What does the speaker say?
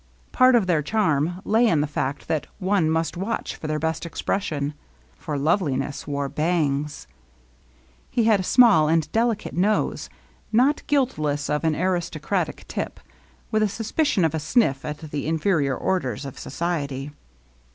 Part of their charm lay in the fact that one must watch for their best expression; for Loveliness wore bangs. He had a small and delicate nose, not guiltless of an aristocratic tip, with a suspicion of a sniff at the 2 LOVELINESS. inferior orders of society.